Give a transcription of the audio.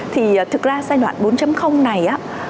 thì thực ra giai đoạn bốn này